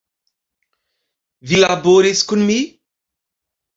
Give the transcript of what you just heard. Vi laboris kun mi??